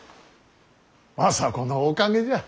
政子のおかげじゃ。